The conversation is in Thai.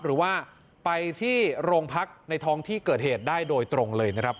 หรือว่าไปที่โรงพักในท้องที่เกิดเหตุได้โดยตรงเลยนะครับ